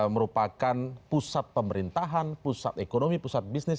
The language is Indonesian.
merupakan pusat pemerintahan pusat ekonomi pusat bisnis